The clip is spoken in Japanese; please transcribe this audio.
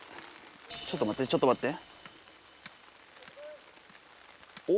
ちょっとまってちょっとまって。